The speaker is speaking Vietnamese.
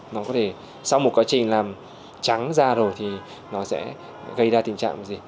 nó có thể sau một quá trình làm trắng ra rồi thì nó sẽ gây ra tình trạng gì